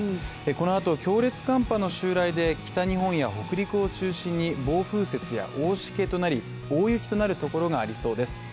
このあと強烈寒波の襲来で北日本や北陸を中心に、暴風雪や大しけとなり、大雪となるところがありそうです。